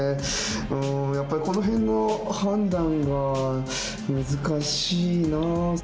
うんやっぱりこの辺の判断が難しいな。